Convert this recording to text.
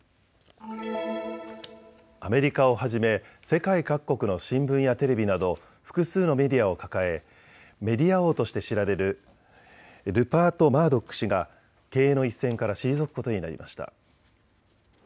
アメリカをはじめ世界各国の新聞やテレビなど複数のメディアを抱えメディア王として知られるルパート・マードック氏が経営の一線から退くことになりました。